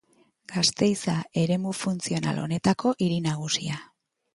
Gasteiz da eremu funtzional honetako hiri nagusia.